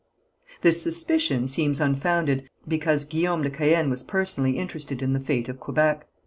This suspicion seems unfounded, because Guillaume de Caën was personally interested in the fate of Quebec.